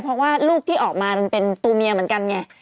เพราะว่าลูกที่ออกมามันเป็นตัวเมียเหมือนกันไง